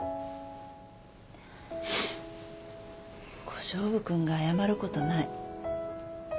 小勝負君が謝ることない。